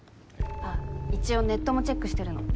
あっ一応ネットもチェックしてるの。